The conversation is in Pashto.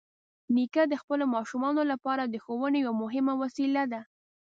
نیکه د خپلو ماشومانو لپاره د ښوونې یوه مهمه وسیله ده.